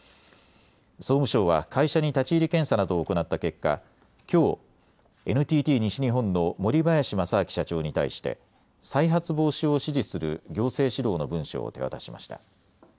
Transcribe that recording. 総務省は会社に立ち入り検査などを行った結果、きょう、ＮＴＴ西日本の森林正彰社長に対して再発防止を指示する行政指導の文書を手渡しました。